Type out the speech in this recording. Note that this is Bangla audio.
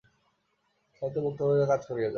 শান্ত ও মুক্তভাবে কাজ করিয়া যাও।